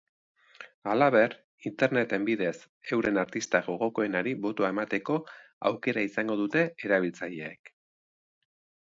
Halaber, internet bidez euren artista gogokoenari botoa emateko aukera izango dute erabiltzaileek.